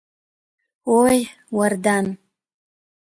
Ои, Уардан!